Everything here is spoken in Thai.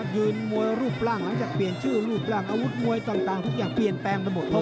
ยืนมวยรูปร่างหลังจากเปลี่ยนชื่อรูปร่างอาวุธมวยต่างทุกอย่างเปลี่ยนแปลงไปหมด